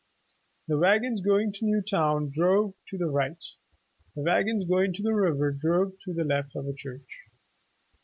The wagons going to Newtown drove on the right; the wagons going to tJie river, drove on the left of the church.